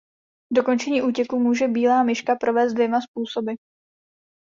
Dokončení útěku může bílá myška provést dvěma způsoby.